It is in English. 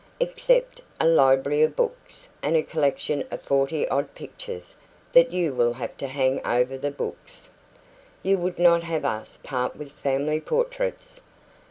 "Except a library of books, and a collection of forty odd pictures, that you will have to hang over the books " "You would not have us part with family portraits?"